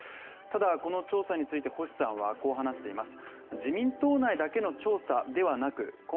ただ、この調査について星さんはこう話しています。